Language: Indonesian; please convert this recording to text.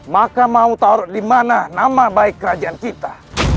maka mau taruh di mana nama baik kerajaan kita